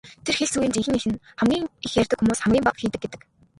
Тэр хэлц үгийн жинхэнэ эх нь "хамгийн их ярьдаг хүмүүс хамгийн бага хийдэг" гэдэг.